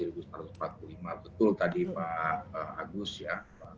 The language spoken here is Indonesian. betul tadi pak agus ya